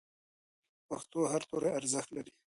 د پښتو هر توری ارزښت لري.